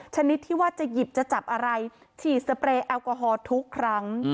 ชนิดที่ว่าจะหยิบจะจับอะไรฉีดสเปรย์แอลกอฮอลทุกครั้ง